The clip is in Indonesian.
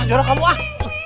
ah jorok kamu ah